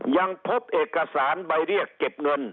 ยังพบเอกสารใบเรียกเก็บเงิน